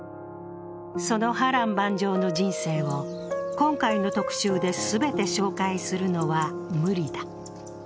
その波瀾万丈の人生を今回の特集で全て紹介するのは無理だ。